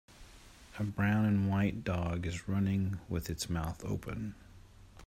A brown and white dog is running with its mouth open.